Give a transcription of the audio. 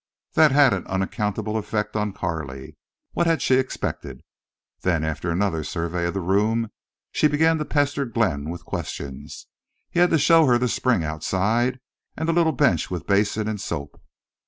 That had an unaccountable effect upon Carley. What had she expected? Then, after another survey of the room, she began to pester Glenn with questions. He had to show her the spring outside and the little bench with basin and soap.